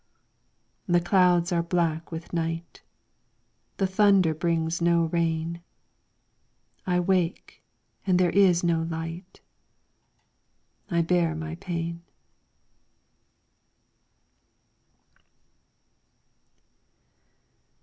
The clouds are black with night, The thunder brings no rain. I wake and there is no light, I bear my pain.